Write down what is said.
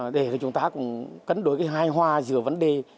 để chúng ta cũng cấn đổi cái hai hoa giữa vấn đề